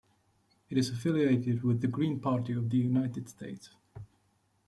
It is affiliated with the Green Party of the United States.